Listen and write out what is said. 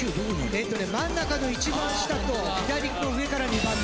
えっとね真ん中の一番下と左の上から２番目。